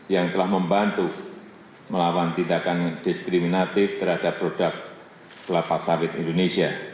yang telah membantu melawan tindakan diskriminatif terhadap produk kelapa sawit indonesia